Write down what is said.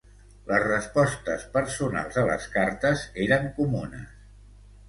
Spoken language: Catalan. Les respostes personals a les cartes eren comunes.